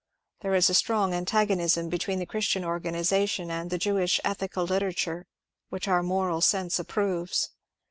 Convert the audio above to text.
There is a strong an tagonism between the Christian organization and the Jewish ethical literature, which our moral sense approves.